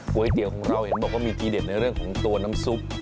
ก๋วยเตี๋ยวของเราเห็นบอกว่ามีทีเด็ดในเรื่องของตัวน้ำซุป